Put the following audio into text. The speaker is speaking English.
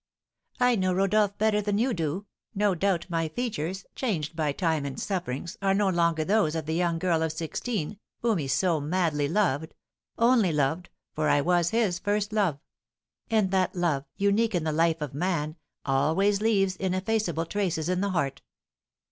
"I know Rodolph better than you do. No doubt my features, changed by time and sufferings, are no longer those of the young girl of sixteen, whom he so madly loved, only loved, for I was his first love; and that love, unique in the life of man, always leaves ineffaceable traces in the heart.